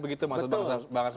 begitu maksud bang arsul